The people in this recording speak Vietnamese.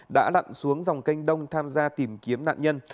đã lặn xuống dòng canh đông tham gia tìm kiếm nạn nhân